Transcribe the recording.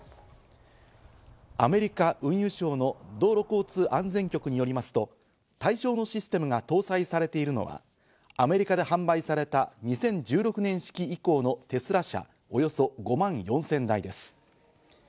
アメリカ運輸省の道路交通安全局によりますと、対象のシステムが搭載されているのはアメリカで販売された２０１６年式以降のテスラ車、およそ５万４０００台です。